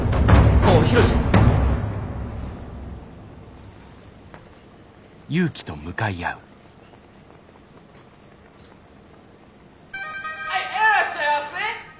あいえらっしゃいあせ！